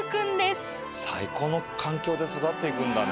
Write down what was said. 最高の環境で育っていくんだね。